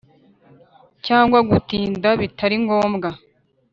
cyangwa gutinda bitari ngombwa